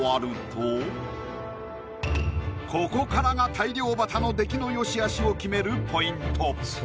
ここからが大漁旗の出来の良しあしを決めるポイント